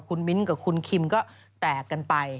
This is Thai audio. คุณมิ้นกับคุณคิมก็แตกกันไป